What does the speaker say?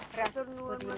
beras buat nema